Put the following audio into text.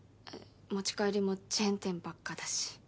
持ち帰りもチェーン店ばっかだし。